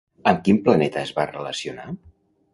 Amb quin planeta es va relacionar?